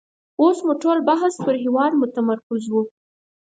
اوس مو ټول بحث پر هېواد متمرکز وو.